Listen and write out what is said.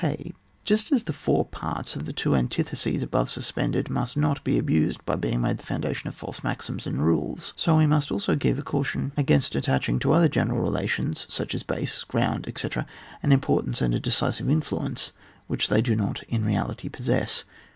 (k.) Just as the four parts of the two anti theses above supposed must not be abused by being made the foundation of false maxims and rules, so we must also give a caution against attaching to other general relations, such as base, ground, etc., an importance and a decisive influ ence which they do not in reality possess.